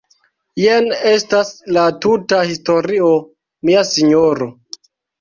Jen estas la tuta historio, mia sinjoro.